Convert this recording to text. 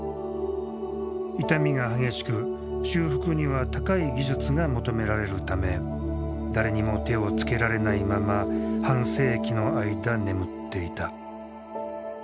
傷みが激しく修復には高い技術が求められるため誰にも手をつけられないまま半世紀の間眠っていた。